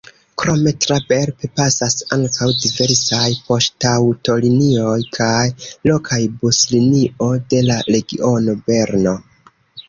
Krome tra Belp pasas ankaŭ diversaj poŝtaŭtolinioj kaj lokaj buslinio de la regiono Berno.